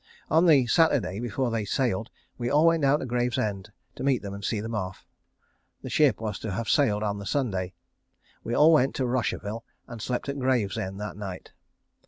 On the Saturday before they sailed we all went down to Gravesend to meet them and see them off. The ship was to have sailed on the Sunday. We all went to Rosherville, and slept at Gravesend that night.